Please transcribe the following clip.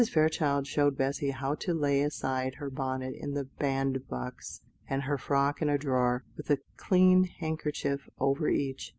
Fairchild showed Bessy how to lay aside her bonnet in the bandbox, and her frock in a drawer, with a clean handkerchief over each.